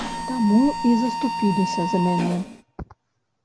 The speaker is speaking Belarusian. Таму і заступіліся за мяне.